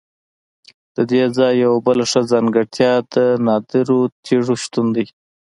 ددې ځای یوه بله ښه ځانګړتیا د نادرو تیږو شتون دی.